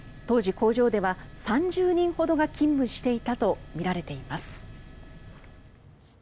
当時、工場では３０人ほどが勤務していたとみられています。